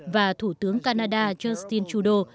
và thủ tướng canada justin trudeau